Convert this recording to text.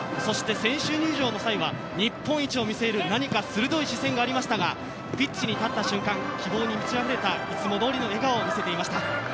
選手入場の際は、日本一を見せる、何か鋭い視線がありましたが、ピッチに立った瞬間、希望に満ち溢れたいつもどおりの笑顔を見せていました。